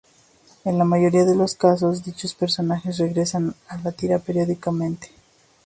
En la mayoría de los casos, dichos personajes regresan a la tira periódicamente.